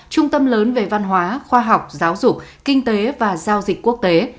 trung tâm lớn về văn hóa khoa học giáo dục kinh tế và giao dịch quốc tế